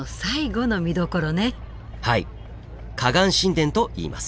はい河岸神殿といいます。